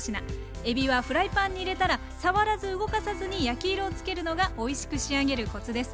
えびはフライパンに入れたら触らず動かさずに焼き色をつけるのがおいしく仕上げるコツです。